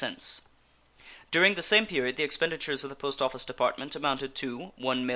During the same period the expenditures of the Post Office Department amounted to $1,169,885.